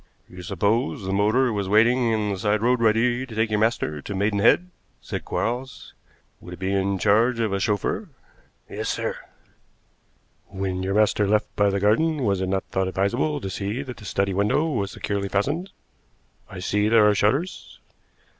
"You supposed the motor was waiting in the side road ready to take your master to Maidenhead," said Quarles. "Would it be in charge of a chauffeur?" "Yes, sir." "When your master left by the garden was it not thought advisable to see that the study window was securely fastened? I see there are shutters."